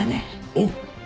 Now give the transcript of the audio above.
おう。